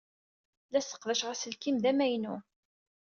La sseqdaceɣ aselkim d amaynu.